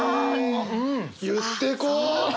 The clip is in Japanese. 言ってこう！